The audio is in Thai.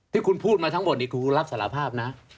ที่คุณพูดมาทั้งหมดนี่คุณรับสารภาพนะ